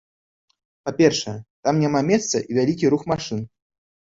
Па-першае, там няма месца і вялікі рух машын.